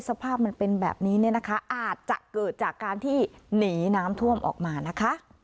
สภาพมันเป็นแบบนี้เนี่ยนะคะอาจจะเกิดจากการที่หนีน้ำท่วมออกมานะคะ